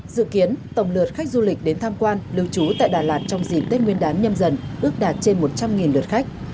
dự kiến tổng lượt khách du lịch đến tham quan lưu trú tại đà lạt trong dịp tết nguyên đán nhâm dần ước đạt trên một trăm linh lượt khách